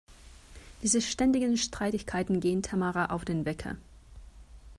Diese ständigen Streitigkeiten gehen Tamara auf den Wecker.